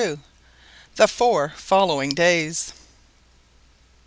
THE FOUR FOLLOWING DAYS.